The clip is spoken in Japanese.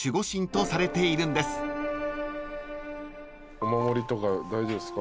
お守りとか大丈夫ですか？